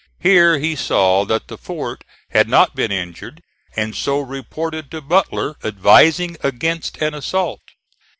Here he saw that the fort had not been injured, and so reported to Butler, advising against an assault.